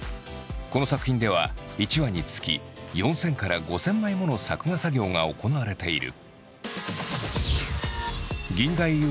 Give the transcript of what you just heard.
この作品では１話につき４，０００から５，０００枚もの作画作業が行われている。